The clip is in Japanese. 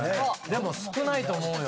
でも少ないと思うよ。